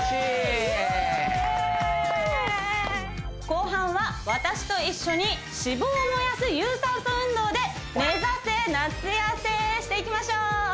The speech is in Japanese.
後半は私と一緒に脂肪を燃やす有酸素運動で目指せ夏痩せしていきましょう